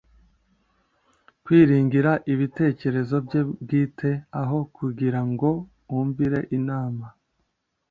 kwiringira ibitekerezo bye bwite aho kugira ngo yumvire inama